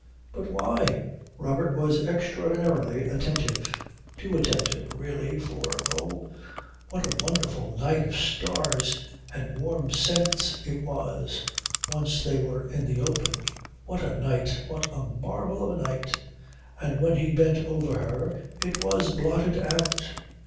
But why? Robert was extraordinarily attentive. Too attentive, really, for oh, what a wonderful night of stars and warm scents it was, once they were in the open what a night, what a marvel of a night! And when he bent over her it was blotted out.